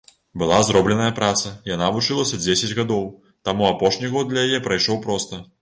Была зробленая праца, яна вучылася дзесяць гадоў, таму апошні год для яе прайшоў проста.